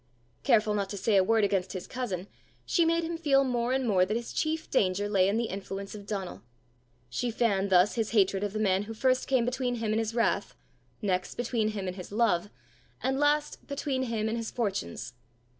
Careful not to say a word against his cousin, she made him feel more and more that his chief danger lay in the influence of Donal. She fanned thus his hatred of the man who first came between him and his wrath; next, between him and his "love;" and last, between him and his fortunes.